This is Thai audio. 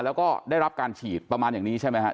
และก็ได้รับการฉีดประมาณแบบนี้ใช่ไหมครับ